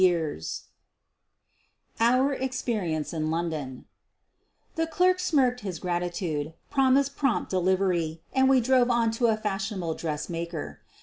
<$UEEN OF THE BURGLARS 113 OUR EXPERIENCE IN LONDON The clerk smirked his gratitude, promised prompt delivery, and we drove on to a fashionable dress maker's.